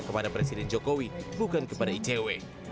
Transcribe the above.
kepada presiden jokowi bukan kepada icw